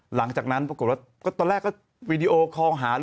หลังจากนั้นปรากฏว่าก็ตอนแรกก็วีดีโอคอลหา